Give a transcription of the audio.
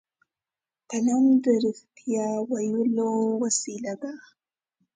قلم د رښتیا ویلو وسیله ده